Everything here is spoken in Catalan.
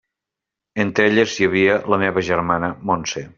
Entre elles hi havia la meva germana Montse.